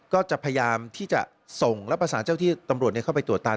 ก็จะพยายามที่จะส่งและประสานเจ้าที่ตำรวจเข้าไปตรวจตาม